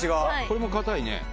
これも堅いね。